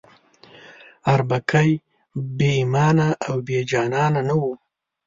اربکی بې ایمانه او بې جانانه نه وو.